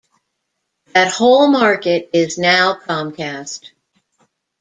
That whole market is now Comcast.